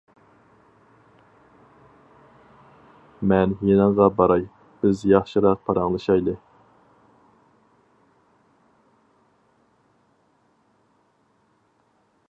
مەن يېنىڭغا باراي، بىز ياخشىراق پاراڭلىشايلى.